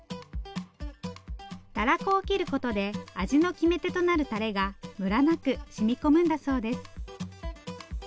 たらこを切ることで味の決め手となるタレがムラなくしみ込むんだそうです。